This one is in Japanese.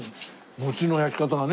餅の焼き方がね。